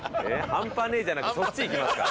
はんぱねえじゃなくてそっちいきますか？